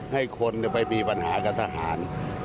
ให้คนไปมีปัญหากับทหาร